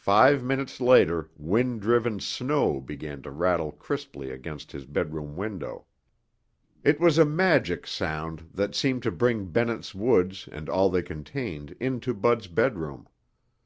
Five minutes later wind driven snow began to rattle crisply against his bedroom window. It was a magic sound that seemed to bring Bennett's Woods and all they contained into Bud's bedroom.